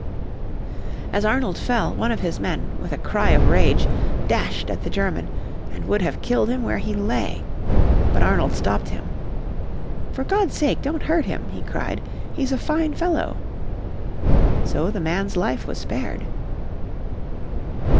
As Arnold fell, one of his men, with a cry of rage dashed at the German and would have killed him where he lay. But Arnold stopped him. "For God's sake, don't hurt him." he cried, "he's a fine fellow." So the man's life was spared.